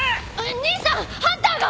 兄さんハンターが！